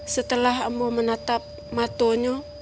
setelah aku menatap matanya